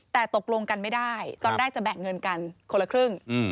แต่ตกลงกันไม่ได้ตอนแรกจะแบ่งเงินกันคนละครึ่ง